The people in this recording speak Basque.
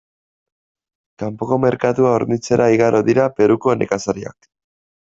Kanpoko merkatua hornitzera igaro dira Peruko nekazariak.